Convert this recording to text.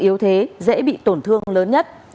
yếu thế dễ bị tổn thương lớn nhất